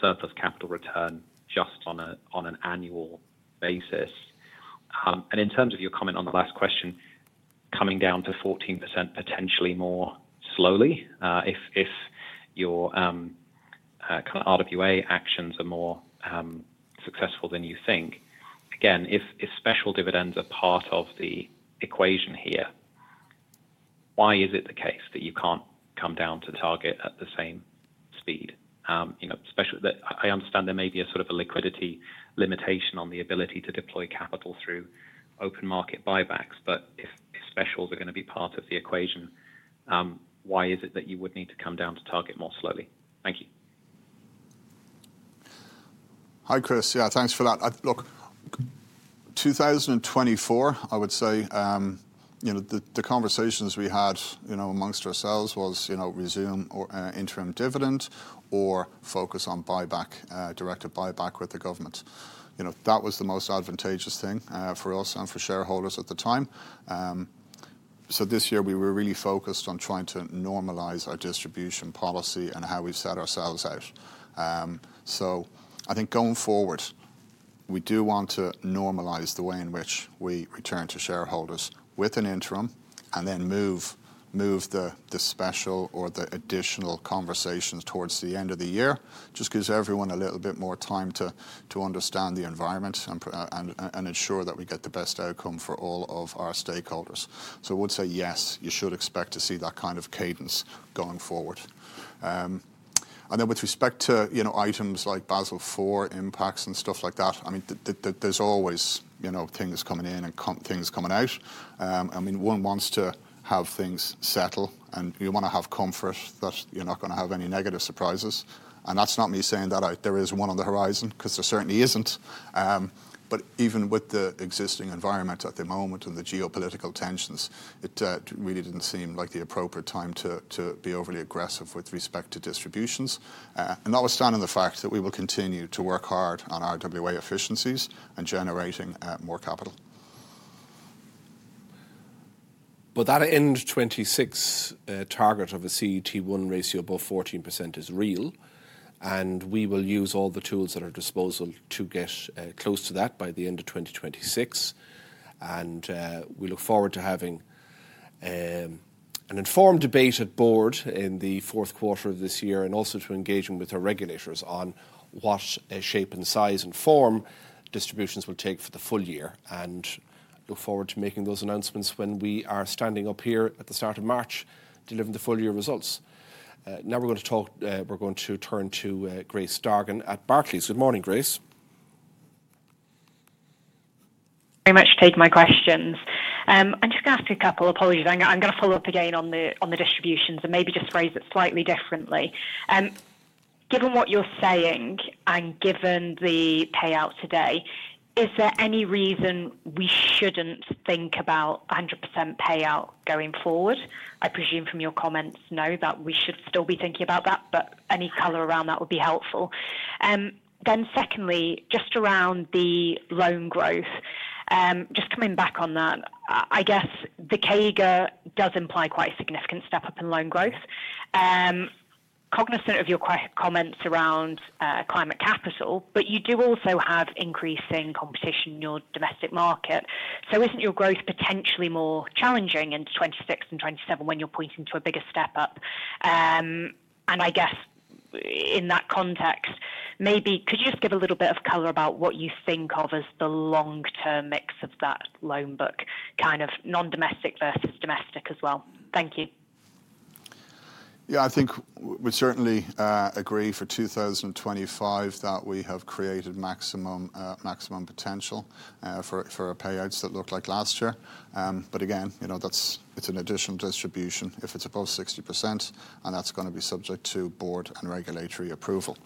surplus capital return just on an annual basis? In terms of your comment on the last question coming down to 14% potentially more slowly if your RWA actions are more successful than you think. Again, if special dividends are part of the equation here, why is it the case that you can't come down to target at the same speed? I understand there may be a sort of a liquidity limitation on the ability to deploy capital through open market buybacks. If specials are going to be part of the equation, why is it that you would need to come down to target more slowly? Thank you. Hi, Chris. Yeah, thanks for that. Look, 2024, I would say the conversations we had amongst ourselves were resume interim dividend or focus on buyback, directed buyback with the government. That was the most advantageous thing for us and for shareholders at the time. This year we were really focused on trying to normalize our distribution policy and how we set ourselves out. I think going forward, we do want to normalize the way in which we return to shareholders with an interim and then move the special or the additional conversations towards the end of the year. It just gives everyone a little bit more time to understand the environment and ensure that we get the best outcome for all of our stakeholders. I would say, yes, you should expect to see that kind of cadence going forward. With respect to items like Basel IV impacts and stuff like that, there are always things coming in and things coming out. One wants to have things settle and you want to have comfort that you're not going to have any negative surprises. That's not me saying that there is one on the horizon, because there certainly isn't. Even with the existing environment at the moment and the geopolitical tensions, it really didn't seem like the appropriate time to be overly aggressive with respect to distributions. Notwithstanding the fact that we will continue to work hard on RWA efficiencies and generating more capital. That end 2026 target of a CET1 ratio above 14% is real, and we will use all the tools at our disposal to get close to that by the end of 2026. We look forward to having an informed debate at Board in the fourth quarter of this year and also to engaging with our regulators on what shape, size, and form distributions will take for the full year. We look forward to making those announcements when we are standing up here at the start of March delivering the full year results. Now we're going to turn to Grace Dargan at Barclays. Good morning, Grace. Thank you very much for taking my questions. I'm just going to ask a couple, apologies. I'm going to follow up again on the distributions and maybe just phrase it slightly differently. Given what you're saying and given the payout today, is there any reason we shouldn't think about 100% payout going forward? I presume from your comments, no, that we should still be thinking about that, but any color around that would be helpful. Then secondly, just around the loan growth. Just coming back on that, I guess the CAGR does imply quite a significant step up in loan growth. Cognizant of your comments around climate capital. You do also have increasing competition in your domestic market. Isn't your growth potentially more challenging in 2026 and 2027 when you're pointing to a bigger step up, and I guess in that context maybe could you just give a little bit of color about what you think of as the long-term mix of that loan book, kind of non-domestic versus domestic as well. Thank you. Yeah, I think we certainly agree for 2025 that we have created maximum, maximum potential for our payouts that look like last year. Again, you know it's an additional distribution if it's above 60% and that's going to be subject to board and regulatory approval.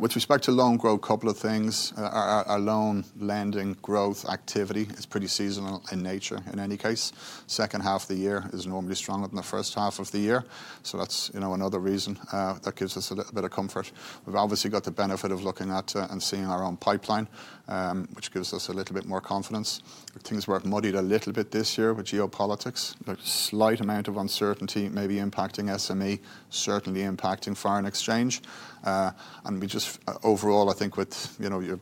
With respect to loan growth, couple of things, loan lending growth activity is pretty seasonal in nature in any case. Second half of the year is normally stronger than the first half of the year. That's another reason that gives us a little bit of comfort. We've obviously got the benefit of looking at and seeing our own pipeline which gives us a little bit more confidence. Things were muddied a little bit this year with geopolitics. Slight amount of uncertainty, maybe impacting SME, certainly impacting foreign exchange and we just. Overall, I think with, you know, your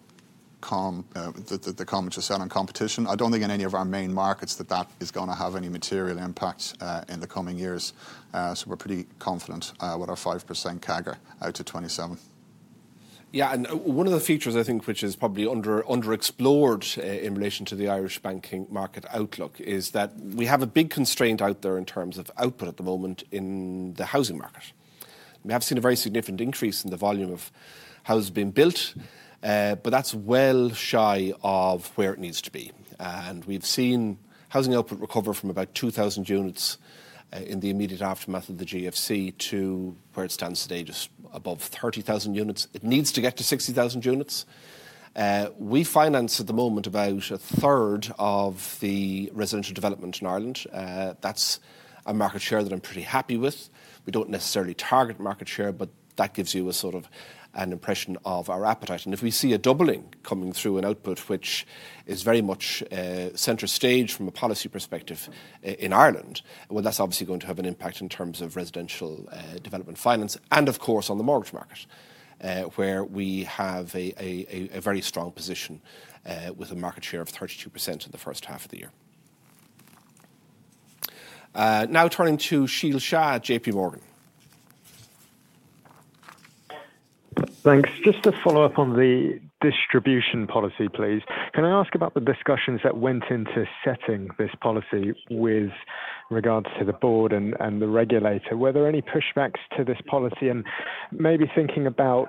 comments are selling competition. I don't think in any of our main markets that that is going to have any material impact in the coming years. We're pretty confident with our 5% CAGR to 2027. Yeah. One of the features I think which is probably underexplored in relation to the Irish banking market outlook is that we have a big constraint out there in terms of output at the moment in the housing market. We have seen a very significant increase in the volume of houses being built, but that's well shy of where it needs to be. We've seen housing output recover from about 2,000 units in the immediate aftermath of the GFC to where it stands today just above 30,000 units. It needs to get to 60,000 units. We finance at the moment about a third of the residential development in Ireland. That's a market share that I'm pretty happy with. We don't necessarily target market share, but that gives you a sort of an impression of our appetite. If we see a doubling coming through, an output which is very much center stage from a policy perspective in Ireland, that's obviously going to have an impact in terms of residential development finance and of course on the mortgage market, where we have a very strong position with a market share of 32% in the first half of the year. Now turning to Sheel Shah, JP Morgan. Thanks. Just to follow up on the distribution policy, please can I ask about the discussions that went into setting this policy with regards to the Board and the regulator. Were there any pushbacks to this policy? Maybe thinking about,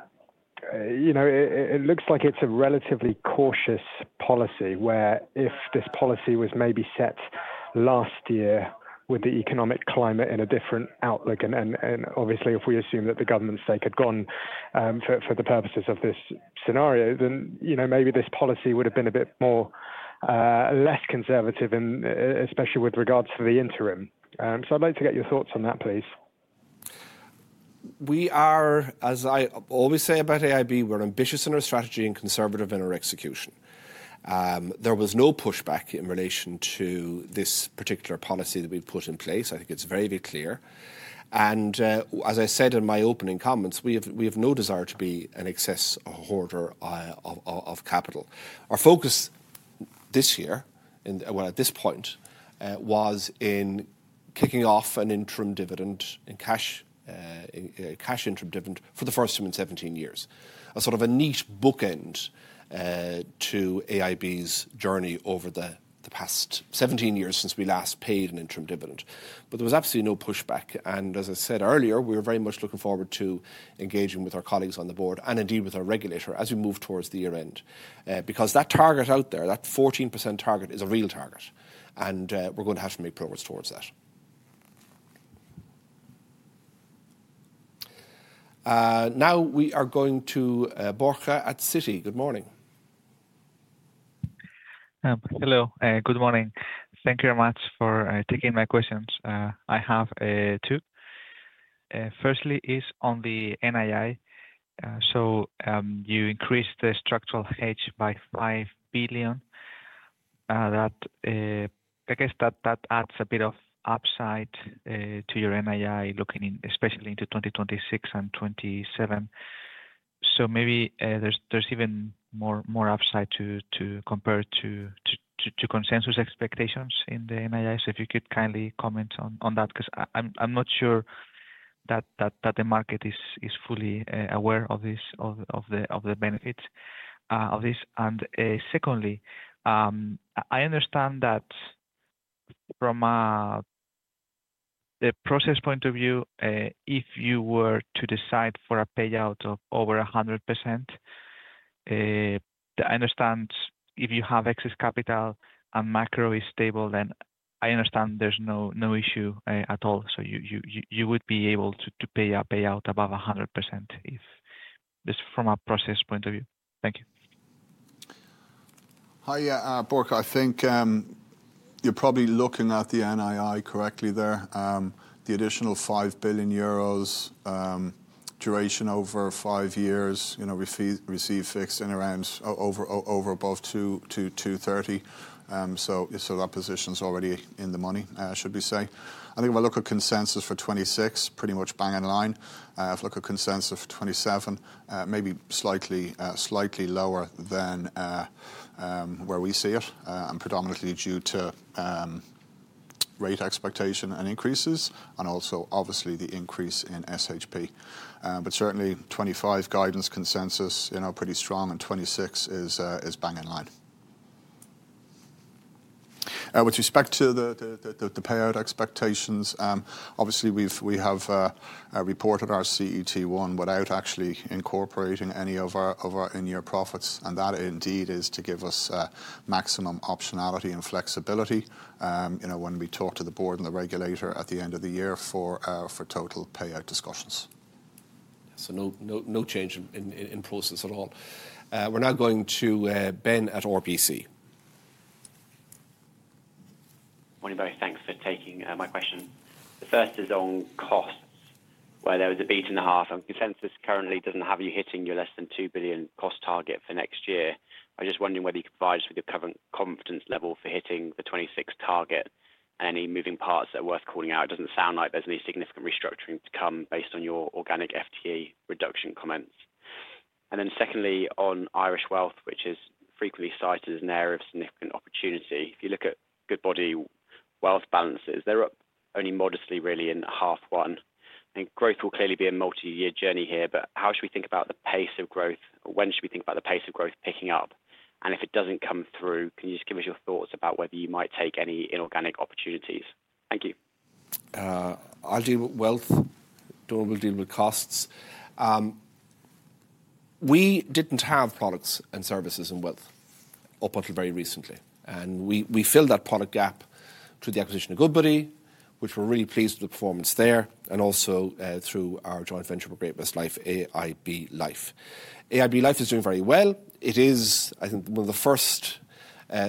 you know, it looks like it's a relatively cautious policy where if this policy was maybe set last year with the economic climate in a different outlook and obviously if we assume that the government's stake had gone for the purposes of this scenario, then, you know, maybe this policy would have been a bit more, less conservative, especially with regards to the interim. I'd like to get your thoughts on that, please. We are, as I always say about AIB, we're ambitious in our strategy and conservative in our execution. There was no pushback in relation to this particular policy that we put in place. I think it's very, very clear. As I said in my opening comments, we have no desire to be an excess hoarder of capital. Our focus this year at this point was in kicking off an interim dividend, cash interim dividend for the first time in 17 years. A sort of a neat bookend to AIB's journey over the past 17 years since we last paid an interim dividend. There was absolutely no pushback. As I said earlier, we were very much looking forward to engaging with our colleagues on the Board and indeed with our regulator as we move towards the year end. That target out there, that 14% target, is a real target and we're going to have to make progress towards that. Now we are going to Borja at Citi. Good morning. Hello, good morning. Thank you very much for taking my questions. I have two. Firstly, is on the NII, you increase the structural hedge by 5 billion. I guess that adds a bit of upside to your NII looking especially into 2026 and 2027. Maybe there's even more upside compared to consensus expectations in the NII. If you could kindly comment on that because I'm not sure that the market is fully aware of the benefits of this. Secondly, I understand that from the process point of view, if you were to decide for a payout of over 100%, I understand if you have excess capital and macro is stable, then I understand there's no issue at all. You would be able to pay a payout above 100% from a process point of view. Thank you. Hi Mark, I think you're probably looking at the NII correctly there. The additional 5 billion euros duration over five years, you know, received fixed in around over above 2 to 2.30%. So that position's already in the money, should we say? I think if I look at consensus for 2026, pretty much bang in line. If I look at consensus for 2027, maybe slightly lower than where we see it and predominantly due to rate expectation and increases and also obviously the increase in SHP, but certainly 2025 guidance, consensus pretty strong and 2026 is bang in line with respect to the payout expectations. Obviously we have reported our CET1 without actually incorporating any of our in-year profits and that indeed is to give us maximum optionality and flexibility when we talk to the board and the regulator at the end of the year for total payout discussions. No change in process at all. We're now going to Ben at RBC Capital Markets. Morning guys. Thanks for taking my question. The first is on costs, where there was a beat in the half, and consensus currently doesn't have you hitting your less than 2 billion cost target for next year. I'm just wondering whether you could provide us with your current confidence level for hitting the 2026 target and any moving parts that are worth calling out. It doesn't sound like there's any significant restructuring to come based on your organic FTE reduction comments. Secondly, on Irish wealth, which is frequently cited as an area of significant opportunity, if you look at Goodbody wealth balances, they're up only modestly really in half one, and growth will clearly be a multi-year journey here. How should we think about the pace of growth? When should we think about the pace of growth picking up? If it doesn't come through, can you just give us your thoughts about whether you might take any inorganic opportunities? Thank you. I'll deal with wealth, Donal will deal with costs. We didn't have products and services in wealth up until very recently and we filled that product gap through the acquisition of Goodbody, which we're really pleased with, the performance there and also through our joint venture for AIB Life. AIB Life is doing very well. It is, I think, one of the first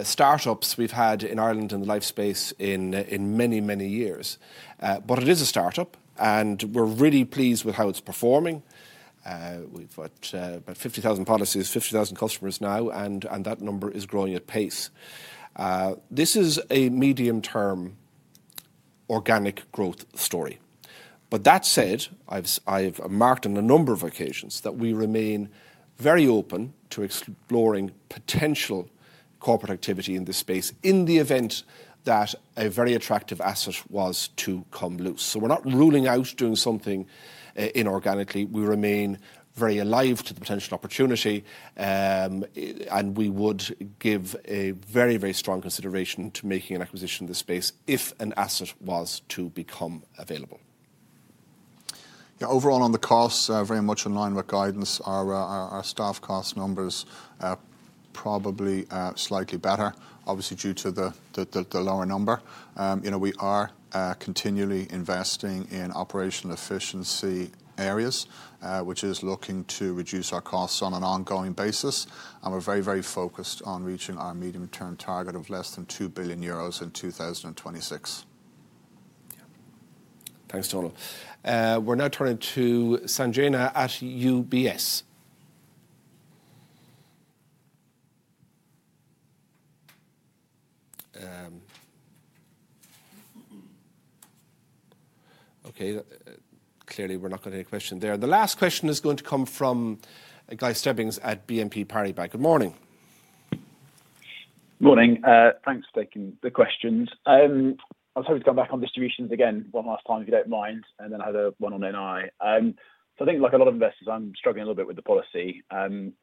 startups we've had in Ireland in the life space in many, many years. It is a startup and we're really pleased with how it's performing. We've got about 50,000 policies, 50,000 customers now and that number is growing at pace. This is a medium term organic growth story. I've marked on a number of occasions that we remain very open to exploring potential corporate activity in this space in the event that a very attractive asset was to come loose. We're not ruling out doing something inorganically. We remain very alive to the potential opportunity and we would give a very, very strong consideration to making an acquisition in the space if an asset was to become available. Overall, on the costs, very much in line with guidance. Our staff cost numbers probably slightly better, obviously due to the lower number. We are continually investing in operational efficiency areas, which is looking to reduce our costs on an ongoing basis, and we're very, very focused on reaching our medium term target of less than 2 billion euros in 2026. Thanks, Donal. We're now turning to Sanjayna at UBS. Okay, clearly we're not going to take a question there. The last question is going to come from Guy Stebbings at BNP Paribas. Good morning. Morning. Thanks for taking the questions. I was hoping to come back on distributions again one last time, if you don't mind. I had one on NI. I think like a lot of investors, I'm struggling a little bit with the policy.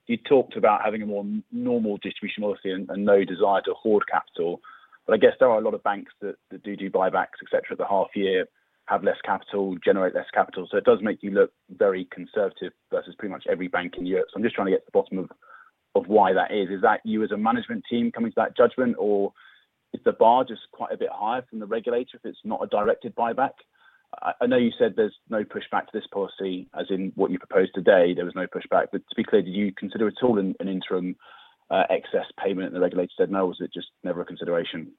You talked about having a more normal distribution policy and no desire to hoard capital. I guess there are a lot of banks that do buybacks, etc., at the half year, have less capital, generate less capital. It does make you look very conservative versus pretty much every bank in Europe. I'm just trying to get to the bottom of why that is. Is that you as a management team coming to that judgment or is the bar just quite a bit higher from the regulator if it's not a directed buyback? I know you said there's no pushback to this policy, as in what you proposed today. There was no pushback. To be clear, did you consider at all an interim excess payment and the regulator said no, or is it just never a consideration?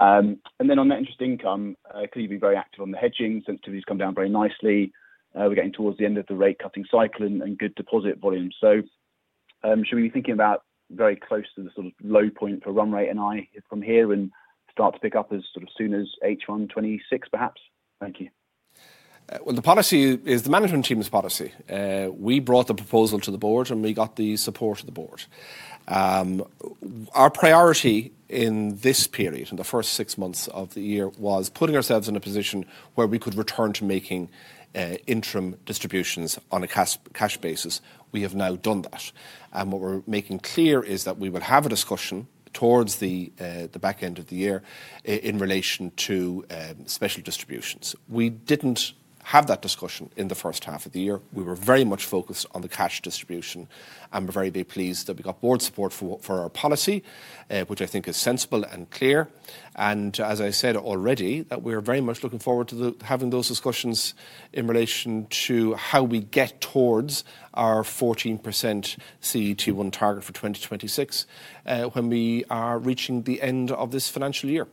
On net interest income, could you be very active on the hedging? Sensitivities come down very nicely. We're getting towards the end of the rate cutting cycle and good deposit volume. Should we be thinking about very close to the sort of low point for run rate NII from here and start to pick up as soon as H1 2026 perhaps. Thank you. The policy is the management team's policy. We brought the proposal to the board, and we got the support of the board. Our priority in this period, in the first six months of the year, was putting ourselves in a position where we could return to making interim distributions on a cash basis. We have now done that, and what we're making clear is that we will have a discussion towards the back end of the year in relation to special distributions. We didn't have that discussion in the first half of the year. We were very much focused on the cash distribution, and we're very pleased that we got board support for our policy, which I think is sensible and clear. As I said already, we are very much looking forward to having those discussions in relation to how we get towards our 14% CET1 target for 2026 when we are reaching the end of this financial year.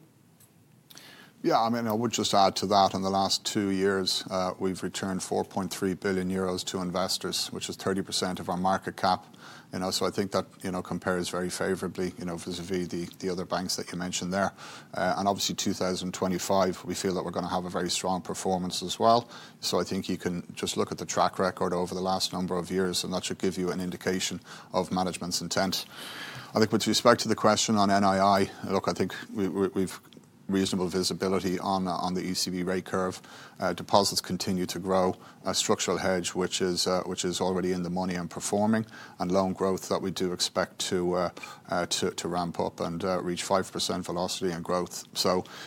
Yeah, I mean, I would just add to that. In the last two years we've returned 4.3 billion euros to investors, which is 30% of our market cap, you know, so I think that compares very favorably, you know, vis-à-vis the other banks that you mentioned there. Obviously, 2025, we feel that we're going to have a very strong performance as well. I think you can just look at the track record over the last number of years and that should give you an indication of management's intent. I think, with respect to the question on NII, look, I think we've reasonable visibility on the ECB rate curve. Deposits continue to grow, a structural hedge which is already in the money and performing, and loan growth that we do expect to ramp up and reach 5% velocity and growth.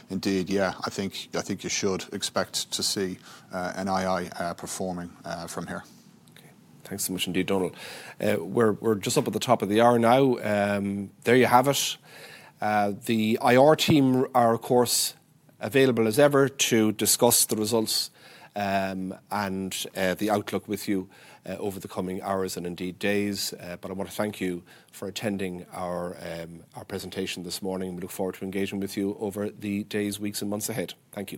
Indeed, yeah, I think you should expect to see NII performing from here. Thanks so much. Indeed, Donal. We're just up at the top of the hour now. There you have it. The IR team are of course available as ever to discuss the results and the outlook with you over the coming hours and indeed days. I want to thank you for attending our presentation this morning. We look forward to engaging with you over the days, weeks, and months ahead. Thank you.